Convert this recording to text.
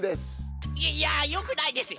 いいやよくないですよ！